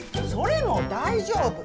それも大丈夫。